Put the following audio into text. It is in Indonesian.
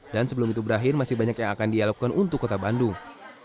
dan sebelum itu berakhir masih banyak yang akan dia lakukan untuk kota bandung